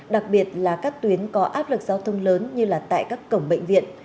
đặc biệt là các tuyến có áp lực giao thông lớn như là tại các cổng bệnh viện